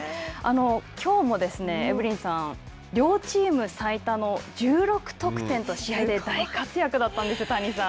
きょうも、エブリンさん両チーム最多の１６得点と、試合で大活躍だったんです、谷さん。